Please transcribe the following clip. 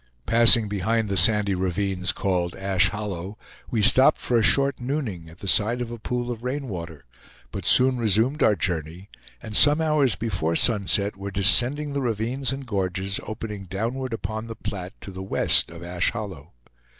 Passing behind the sandy ravines called "Ash Hollow," we stopped for a short nooning at the side of a pool of rain water; but soon resumed our journey, and some hours before sunset were descending the ravines and gorges opening downward upon the Platte to the west of Ash Hollow.